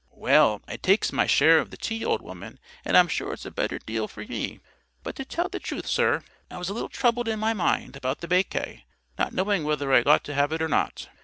"Well, I takes my share of the tea, old woman, and I'm sure it's a deal better for me. But, to tell the truth, sir, I was a little troubled in my mind about the baccay, not knowing whether I ought to have it or not.